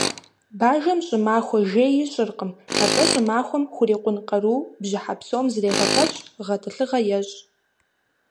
Бажэм щӏымахуэ жей ищӏыркъым, атӀэ щӏымахуэм хурикъун къару бжьыхьэ псом зэрегъэпэщ, гъэтӏылъыгъэ ещӏ.